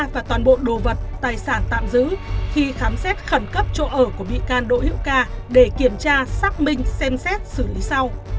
và toàn bộ đồ vật tài sản tạm giữ khi khám xét khẩn cấp chỗ ở của bị can đỗ hữu ca để kiểm tra xác minh xem xét xử lý sau